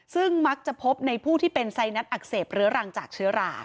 ซึ่งมักจะพบในผู้ที่เป็นไซนัสอักเสบเรื้อรังจากเชื้อรา